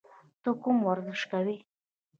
ته کوم ورزش کوې؟